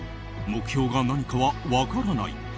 目標が何かは分からない。